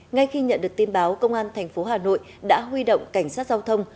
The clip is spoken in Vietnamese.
ngay khi nhận được tin báo công an tp hà nội đã huy động cảnh sát giao thông